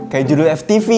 kayak judul ftv